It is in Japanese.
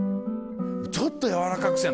ちょっとやわらかく。